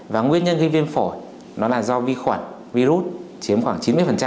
và nguyên nhân gây viêm phổi nó là do vi khuẩn virus chiếm khoảng chín mươi